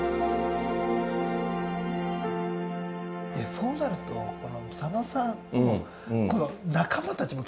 そうなるとこの佐野さんのこの仲間たちも気になるんですよ。